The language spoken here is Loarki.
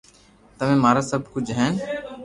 تمي مارا سب ڪوجھ ھين